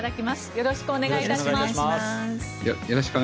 よろしくお願いします。